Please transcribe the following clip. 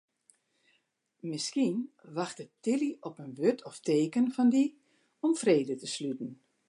Miskien wachtet Tilly op in wurd of teken fan dy om frede te sluten.